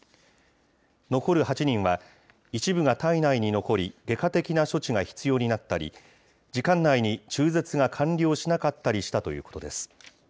残る８人は、一部が体内に残り、外科的な処置が必要になったり、時間内に中絶が完了しなかったりしたということです。